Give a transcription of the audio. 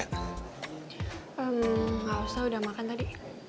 hmm gak usah udah makan tadi